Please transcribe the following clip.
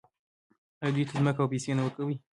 آیا دوی ته ځمکه او پیسې نه ورکوي؟